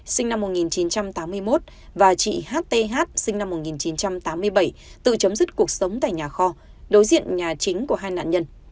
sinh năm một nghìn chín trăm tám mươi một và chị hth sinh năm một nghìn chín trăm tám mươi bảy tự chấm dứt cuộc sống tại nhà kho đối diện nhà chính của hai nạn nhân